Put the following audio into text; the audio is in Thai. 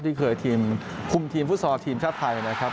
ที่เคยคุมทีมฟุษฎาโลกทีมชาติไทยนะครับ